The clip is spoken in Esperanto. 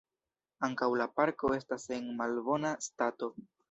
Ankaŭ la parko estas en malbona stato.